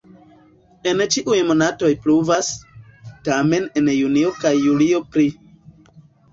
En ĉiuj monatoj pluvas, tamen en junio kaj julio pli.